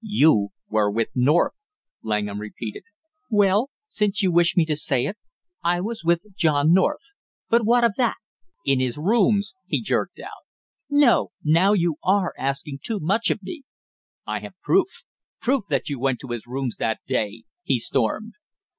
"You were with North!" Langham repeated. "Well, since you wish me to say it, I was with John North, but what of that?" "In his rooms " he jerked out. "No, now you are asking too much of me!" "I have proof, proof, that you went to his rooms that day!" he stormed.